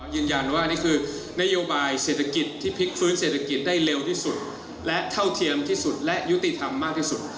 ยืนยันว่านี่คือนโยบายเศรษฐกิจที่พลิกฟื้นเศรษฐกิจได้เร็วที่สุดและเท่าเทียมที่สุดและยุติธรรมมากที่สุด